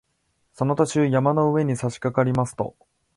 その途中、山の上にさしかかりますと